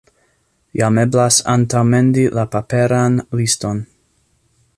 Jam eblas antaŭmendi la paperan liston.